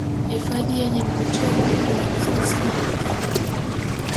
Hifadhi yenye vivutio vingi na vizuri sana kwa watalii